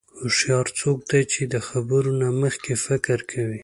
هوښیار څوک دی چې د خبرو نه مخکې فکر کوي.